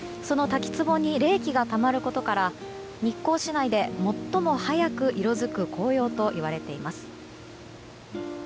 滝つぼに冷気がたまることから日光市内で最も早く色づく紅葉といわれています。